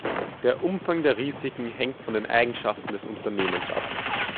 Der Umfang der Risiken hängt von den Eigenschaften des Unternehmens ab.